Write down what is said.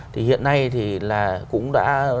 thì hiện nay thì là cũng đã